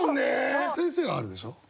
先生はあるでしょ？